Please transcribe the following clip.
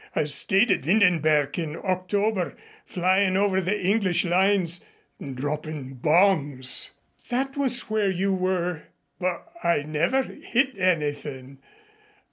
I stayed at Windenberg in October, flyin' over the English lines, droppin' bombs." "That was where you were !" "But I never hit anythin'.